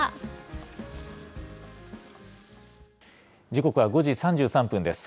時刻は５時３３分です。